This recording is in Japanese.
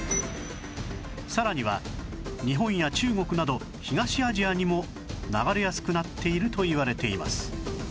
さらには日本や中国など東アジアにも流れやすくなっているといわれています